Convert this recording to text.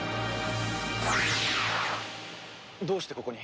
どうしてここに？